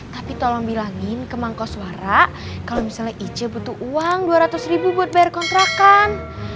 tapi tolong bilangin ke mangkos suara kalau misalnya ic butuh uang dua ratus ribu buat bayar kontrakan